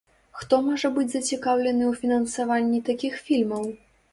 Хто можа быць зацікаўлены ў фінансаванні такіх фільмаў?